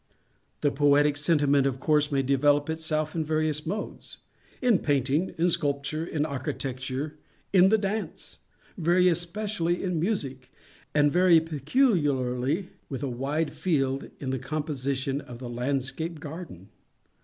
The Poetic Sentiment, of course, may develop itself in various modes—in Painting, in Sculpture, in Architecture, in the Dance—very especially in Music—and very peculiarly, and with a wide field, in the com position of the Landscape Garden.